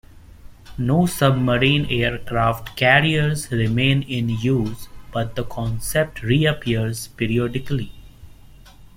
No submarine aircraft carriers remain in use, but the concept reappears periodically.